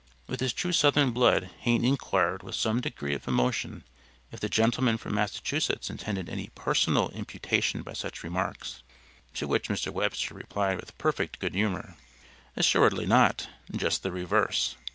With his true Southern blood Hayne inquired with some degree of emotion if the gentleman from Massachusetts intended any personal imputation by such remarks? To which Mr. Webster replied with perfect good humor, "Assuredly not, just the reverse!"